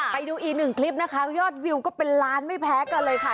ไปดูอีกหนึ่งคลิปนะคะยอดวิวก็เป็นล้านไม่แพ้กันเลยค่ะ